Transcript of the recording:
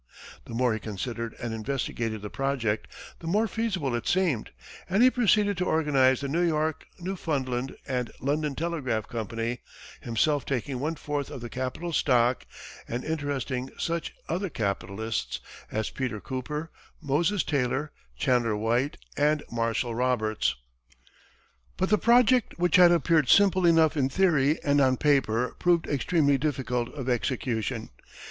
The more he considered and investigated the project, the more feasible it seemed, and he proceeded to organize the New York, Newfoundland and London Telegraph Company, himself taking one fourth of the capital stock, and interesting such other capitalists as Peter Cooper, Moses Taylor, Chandler White and Marshall Roberts. But the project which had appeared simple enough in theory and on paper, proved extremely difficult of execution.